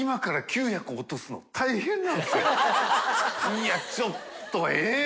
いちょっとえぇ！